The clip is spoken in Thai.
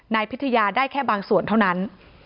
นายพิทยาได้แค่บางส่วนเท่านั้น